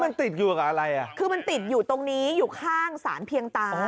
มันติดอยู่กับอะไรอ่ะคือมันติดอยู่ตรงนี้อยู่ข้างสารเพียงตา